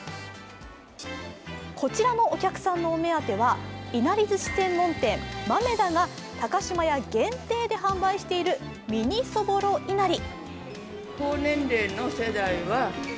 こちらのお客さんのお目当ては、いなりずし専門店・豆狸が高島屋限定で販売しているミニそぼろいなり。